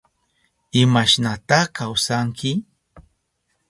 ¿Imashnata kawsanki?